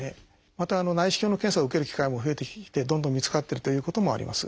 また内視鏡の検査を受ける機会も増えてきてどんどん見つかってるということもあります。